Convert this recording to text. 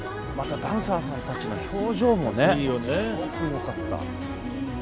またダンサーさんたちの表情もねすごくよかった。